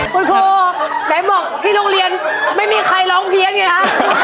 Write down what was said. คุณครูอยากให้บอกว่าที่โรงเรียนไม่มีใครร้องเพียสค่ะ